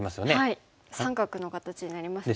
三角の形になりますよね。